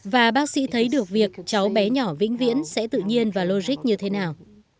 và bác sĩ thấy được việc cháu bé nhỏ vĩnh viễn sẽ tự nhiên và logic như thế nào